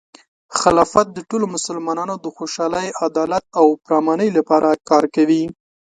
خلافت د ټولو مسلمانانو د خوشحالۍ، عدالت، او پرامنۍ لپاره کار کوي.